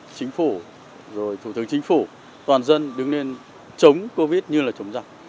chính phủ rồi thủ tướng chính phủ toàn dân đứng lên chống covid như là chống giặc